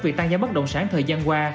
việc tăng giá bất động sản thời gian qua